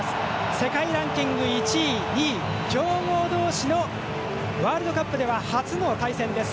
世界ランキング１位２位、強豪同士のワールドカップでは初の対戦です。